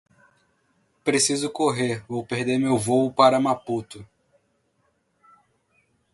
Preciso correr, vou perder meu voo para Maputo.